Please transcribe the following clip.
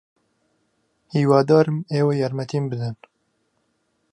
ھیوادارم ئێوە یارمەتیم بدەن.